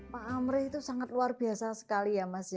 pak amri itu sangat luar biasa sekali ya mas ya